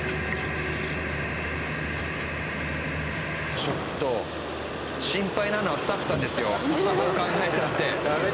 ちょっと心配なのはスタッフさんですよどう考えたって。